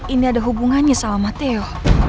ini ada hubungannya sama mateo